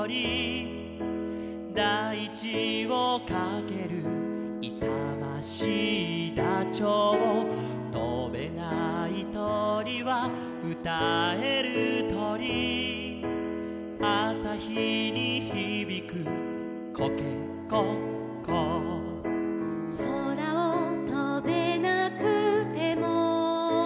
「だいちをかける」「いさましいダチョウ」「とべないとりはうたえるとり」「あさひにひびくコケコッコー」「そらをとべなくても」